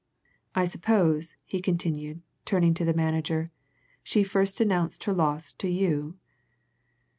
I suppose," he continued, turning to the manager, "she first announced her loss to you?"